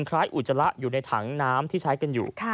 อุจจาระอยู่ในถังน้ำที่ใช้กันอยู่